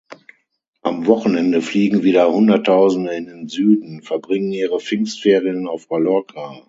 Am Wochenende fliegen wieder Hunderttausende in den Süden, verbringen ihre Pfingstferien auf Mallorca.